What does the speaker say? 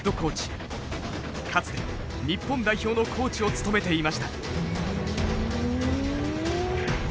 かつて日本代表のコーチを務めていました。